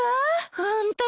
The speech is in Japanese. ホントね。